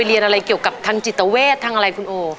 เรียนอะไรเกี่ยวกับทางจิตเวททางอะไรคุณโอ